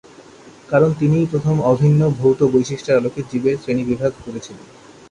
কারণ তিনিই প্রথম অভিন্ন ভৌত বৈশিষ্ট্যের আলোকে জীবের শ্রেণীবিভাগ করেছিলেন।